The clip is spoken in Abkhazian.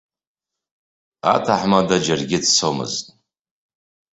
Аҭаҳмада џьаргьы дцомызт.